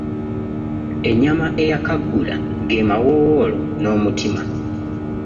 Ennyama ey'akaggula ge mawoowoolo n'omutima.